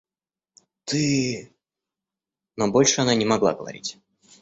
Ты... — но больше она не могла говорить.